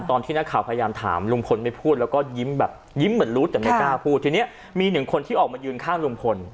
ตอนที่ณขาวพยายามถามลุง